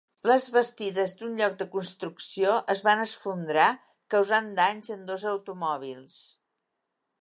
Les bastides d'un lloc de construcció es van esfondrar, causant danys en dos automòbils.